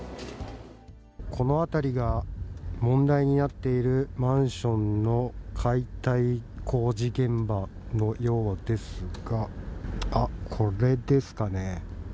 この辺りが問題になっているマンションの解体工事現場のようですがこれですかね。